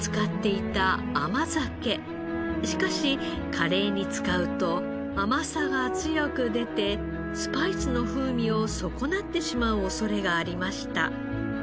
しかしカレーに使うと甘さが強く出てスパイスの風味を損なってしまう恐れがありました。